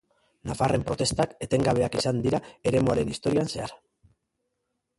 Nafarren protestak etengabeak izan dira eremuaren historian zehar.